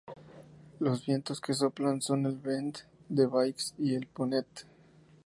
Los vientos que soplan son el vent de baix y el de Ponent.